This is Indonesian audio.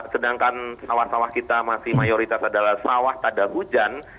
sedangkan sawah sawah kita masih mayoritas adalah sawah tak ada hujan